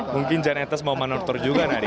mungkin jan etes mau manortor juga nanti ya